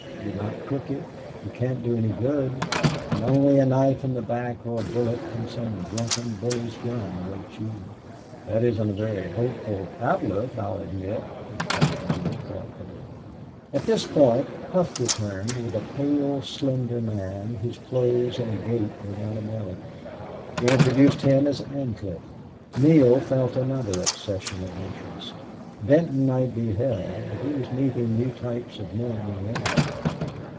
You're not crooked. You can't do any good. And only a knife in the back or a bullet from some drunken bully's gun awaits you." "That isn't a very hopeful outlook, I'll admit," replied Neale, thoughtfully. At this point Hough returned with a pale, slender man whose clothes and gait were not American. He introduced him as Ancliffe. Neale felt another accession of interest. Benton might be hell, but he was meeting new types of men and women.